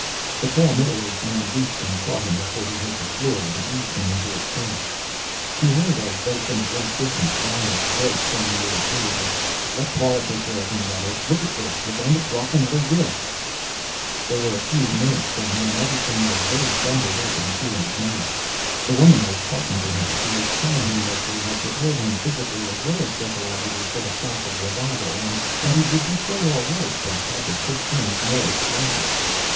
The tall middle aged man reached and caught him before he hit the floor, and eased him into a chair. He heard, as though from a great distance, Vaillant's voice saying irritatedly, "Let Paula take care of him, Webber. Look at this we're going to cross another rift " There were a few minutes then when everything was very jumbled up in Kieran's mind. The woman was talking to him. She was telling him that they had prepared him physically, as well as psychologically, for the shock of revival, and that he would be quite all right but had to take things more slowly.